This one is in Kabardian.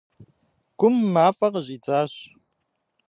Гум мафӏэ къыщӏидзащ.